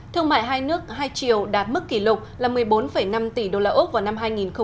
thương mại hai nước hai triều đạt mức kỷ lục là một mươi bốn năm tỷ usd vào năm hai nghìn một mươi tám